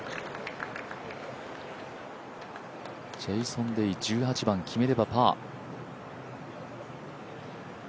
ジェイソン・デイ、決めればパー。